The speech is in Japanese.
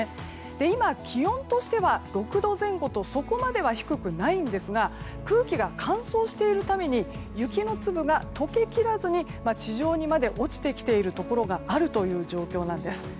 今、気温としては６度前後とそこまでは低くないんですが空気が乾燥しているために雪の粒が解けきらずに地上にまで落ちてきているところがあるという状況です。